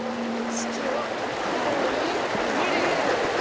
式を項に区切る！